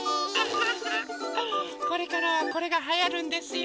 これからはこれがはやるんですよ。